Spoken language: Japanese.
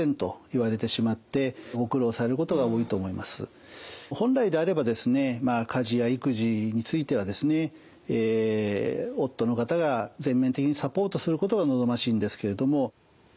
特に本来であれば家事や育児についてはですね夫の方が全面的にサポートすることが望ましいんですけれども。